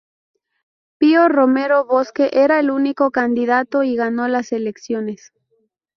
Pío Romero Bosque era el único candidato y ganó las elecciones.